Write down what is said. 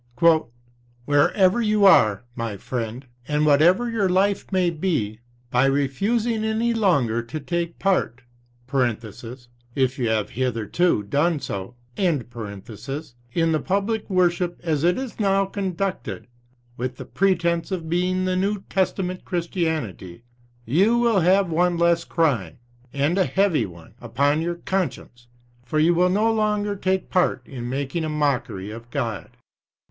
" Whoever you are, my friend, and whatever your life may be, by refusing any longer to take part (if you have hitherto done so) in the public worship as it is now conducted, with the pretense of being the New Testament Christianity, you will have one less crime, and a heavy one, upon your conscience; for you will no longer take part in making a mockery of God."